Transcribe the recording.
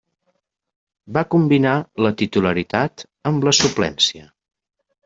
Va combinar la titularitat amb la suplència.